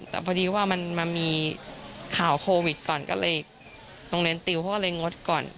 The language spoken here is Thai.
แต่พอดีว่ามันมีข่าวโควิดก่อนก็เลยโรงเรียนติวเขาก็เลยงดก่อน